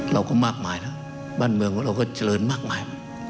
เราก็มากมายนะบ้านเมืองของเราก็เจริญมากมาย